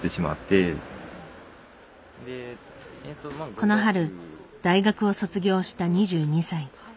この春大学を卒業した２２歳。